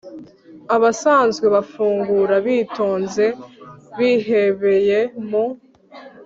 Abasanzwe bafungura bitonze bihebeye mu